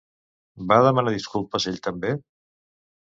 Va demanar disculpes ell també?